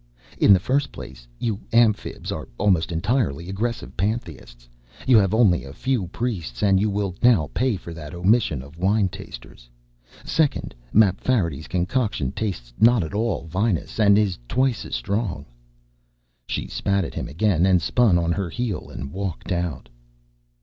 In the first place, you Amphibs are almost entirely Aggressive Pantheists. You have only a few priests, and you will now pay for that omission of wine tasters. Second, Mapfarity's concoction tastes not at all vinous and is twice as strong." She spat at him again and spun on her heel and walked out.